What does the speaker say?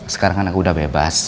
sekarang kan aku udah bebas